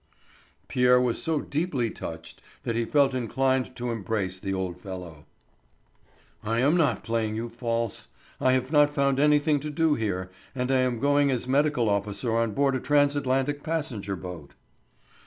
Pierre was so deeply touched that he felt inclined to embrace the old fellow. "I am not playing you false. I have not found anything to do here, and I am going as medical officer on board a Transatlantic passenger boat."